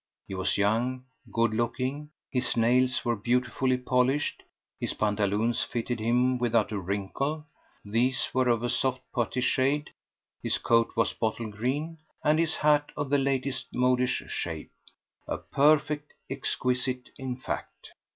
He was young, good looking, his nails were beautifully polished, his pantaloons fitted him without a wrinkle. These were of a soft putty shade; his coat was bottle green, and his hat of the latest modish shape. A perfect exquisite, in fact.